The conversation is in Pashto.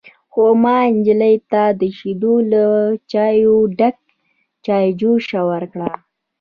_خو ما نجلۍ ته د شيدو له چايو ډکه چايجوشه ورکړه.